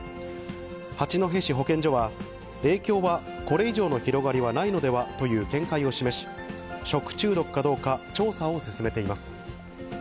八戸市保健所は、影響はこれ以上の広がりはないのではという見解を示し、食中毒かどうか調査を進めています。